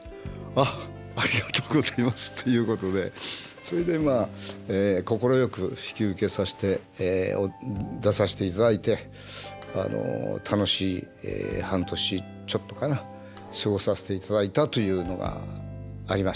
「あっありがとうございます」ということでそれでまあ快く引き受けさせて出させていただいてあの楽しい半年ちょっとかな過ごさせていただいたというのがありましたね。